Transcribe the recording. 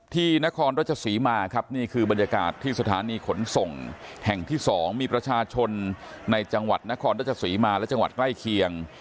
นครราชศรีมาครับนี่คือบรรยากาศที่สถานีขนส่งแห่งที่๒มีประชาชนในจังหวัดนครราชสีมาและจังหวัดใกล้เคียง